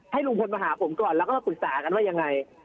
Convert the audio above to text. ลุงพลมาหาผมก่อนแล้วก็มาปรึกษากันว่ายังไง